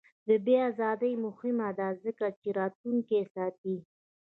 د بیان ازادي مهمه ده ځکه چې راتلونکی ساتي.